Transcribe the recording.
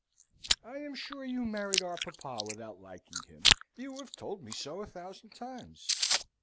"I am sure you married our papa without liking him. You have told me so a thousand times!"